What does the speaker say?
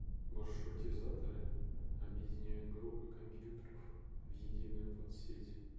Маршрутизаторы объединяют группы компьютеров в единую подсеть